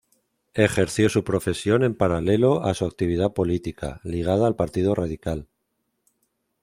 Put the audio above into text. Ejerció su profesión en paralelo a su actividad política, ligada al Partido Radical.